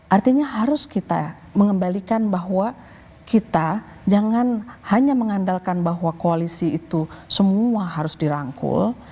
artinya harus kita mengembalikan bahwa kita jangan hanya mengandalkan bahwa koalisi itu semua harus dirangkul